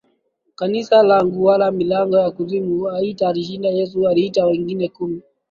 kanisa langu Wala milango ya kuzimu haitalishinda Yesu aliita wengine kumi